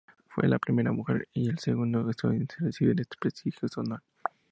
Fue la primera mujer y el segundo estadounidense en recibir este prestigioso honor.